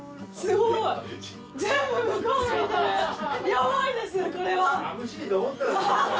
やばいですこれは。